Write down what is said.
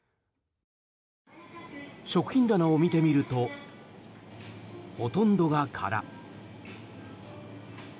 食品棚を見てみるとほとんどが空。